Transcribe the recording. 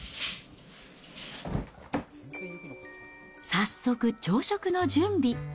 早速、朝食の準備。